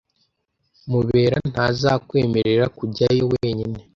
Mubera ntazakwemerera kujyayo wenyine.